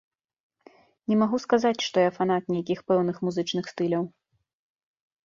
Не магу сказаць, што я фанат нейкіх пэўных музычных стыляў.